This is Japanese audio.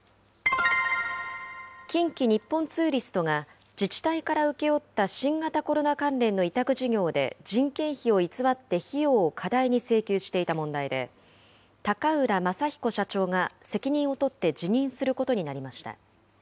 近畿日本ツーリストが、自治体から請け負った新型コロナ関連の委託事業で人件費を偽って費用を過大に請求していた問題で、高浦雅彦社長が責任を取って辞任することになりました。